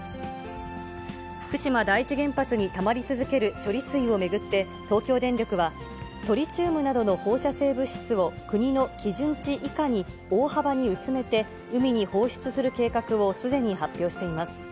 福島第一原発にたまり続ける処理水を巡って、東京電力は、トリチウムなどの放射性物質を国の基準値以下に大幅に薄めて海に放出する計画をすでに発表しています。